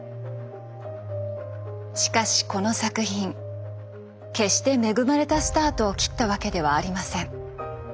しかしこの作品決して恵まれたスタートを切ったわけではありません。